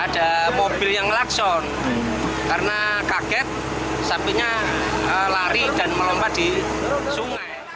dan membuat warga berlaku dari dalam sungai